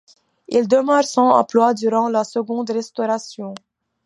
Il demeure sans emploi durant la Seconde Restauration.